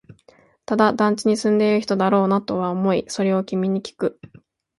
ただ、団地に住んでいる人だろうなとは思い、それを君にきく